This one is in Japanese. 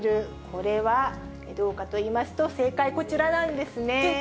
これは、どうかといいますと、正解、こちらなんですね。